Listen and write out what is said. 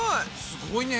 すごいね！